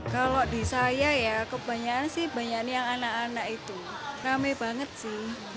kalau di saya ya kebanyakan sih banyak yang anak anak itu rame banget sih